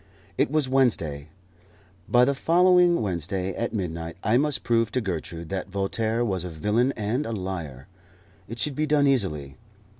It was Wednesday; by the following Wednesday, at midnight, I must prove to Gertrude that Voltaire was a villain and a liar. It should be done easily.